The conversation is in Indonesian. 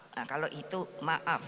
nah kalau itu maaf